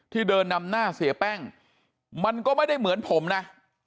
เดินนำหน้าเสียแป้งมันก็ไม่ได้เหมือนผมนะ